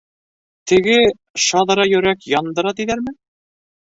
Теге, шаҙра йөрәк яндыра тиҙәрме?